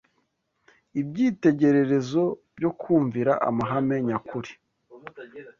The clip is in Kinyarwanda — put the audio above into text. ibyitegererezo byo kumvira amahame nyakuri